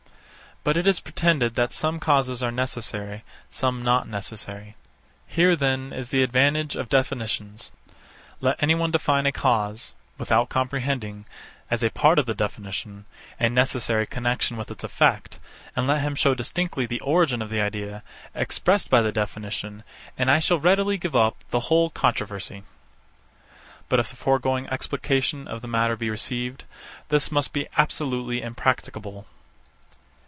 But it is pretended that some causes are necessary, some not necessary. Here then is the advantage of definitions. Let any one define a cause, without comprehending, as a part of the definition, a necessary connexion with its effect; and let him show distinctly the origin of the idea, expressed by the definition; and I shall readily give up the whole controversy. But if the foregoing explication of the matter be received, this must be absolutely impracticable.